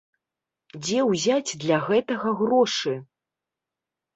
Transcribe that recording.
Дзе ўзяць для гэтага грошы?